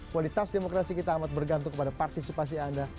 kualitas demokrasi kita amat bergantung kepada partisipasi anda